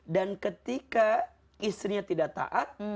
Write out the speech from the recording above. dan ketika istrinya tidak taat